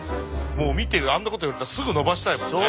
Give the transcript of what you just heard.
もう見てあんなこと言われたらすぐのばしたいもんね。